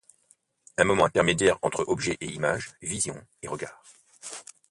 Un moment intermédiaire entre objet et image, vision et regard.